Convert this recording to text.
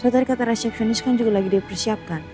soalnya tadi kata resepsionis kan juga lagi dipersiapkan